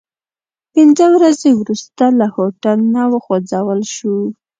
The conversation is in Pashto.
پنځه ورځې وروسته له هوټل نه وخوځول شوو.